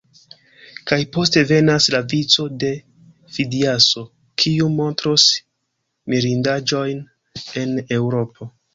Kaj poste venas la vico de Fidiaso, kiu montros mirindaĵojn el Eŭropo.